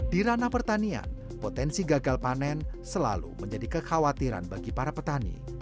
di ranah pertanian potensi gagal panen selalu menjadi kekhawatiran bagi para petani